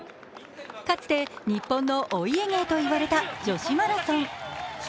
かつて日本のお家芸といわれた女子マラソン。